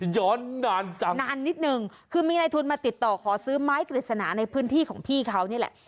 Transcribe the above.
ย้อนนานจังนานนิดนึงคือมีในทุนมาติดต่อขอซื้อไม้กฤษณาในพื้นที่ของพี่เขานี่แหละ